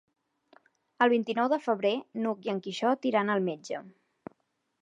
El vint-i-nou de febrer n'Hug i en Quixot iran al metge.